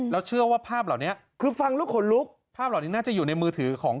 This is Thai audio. แล้วเชื่อว่าภาพเหล่านี้คือฟังแล้วขนลุกภาพเหล่านี้น่าจะอยู่ในมือถือของ